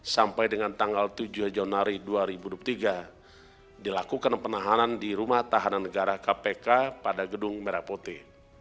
sampai dengan tanggal tujuh januari dua ribu dua puluh tiga dilakukan penahanan di rumah tahanan negara kpk pada gedung merah putih